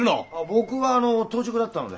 僕は当直だったので。